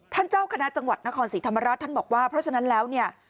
เจ้าคณะจังหวัดนครศรีธรรมราชท่านบอกว่าเพราะฉะนั้นแล้วเนี่ย